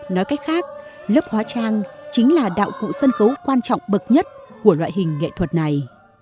nói cách khác lớp hóa trang chính là đạo cụ sân khấu quan trọng bậc nhất của loại hình nghệ thuật này